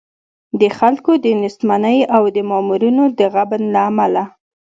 د خلکو د نېستمنۍ او د مامورینو د غبن له امله.